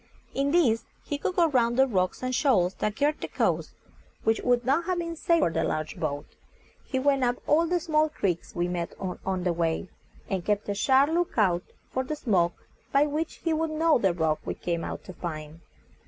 In this he could go round the rocks and shoals that girt the coast, which would not have been safe for the large boat. He went up all the small creeks we met with on the way, and kept a sharp look out for the smoke by which he would know the rock we came out to find.